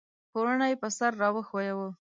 پوړنی پر سر را وښویوه !